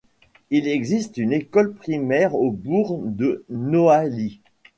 Il existe une école primaire au bourg de Noailly.